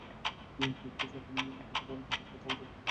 Keyboard shortcut মূলত কি-বোর্ডের একাধিক বোতাম চেপে দ্রুত কাজ করার কৌশল।